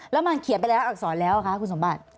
แล้วมันเขียนไปแล้วอักษรแล้วคะคุณสมบัติ